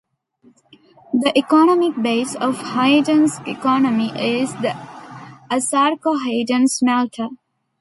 The economic base of Hayden's economy is the Asarco Hayden Smelter.